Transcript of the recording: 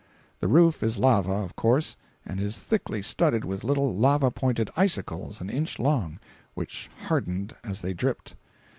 The roof is lava, of course, and is thickly studded with little lava pointed icicles an inch long, which hardened as they dripped.